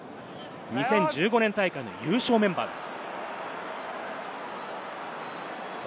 ２０１５年大会の優勝メンバーです。